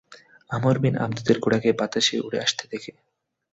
আমর bin আবদূদের ঘোড়াকে বাতাসে উড়ে আসতে দেখে।